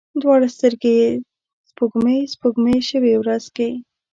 دواړې سترګي یې سپوږمۍ، سپوږمۍ شوې ورځ کې